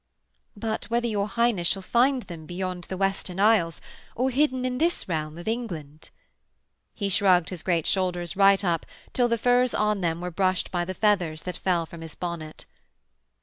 'But whether your Highness shall find them beyond the Western Isles or hidden in this realm of England....' He shrugged his great shoulders right up till the furs on them were brushed by the feathers that fell from his bonnet.